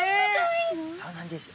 そうなんです。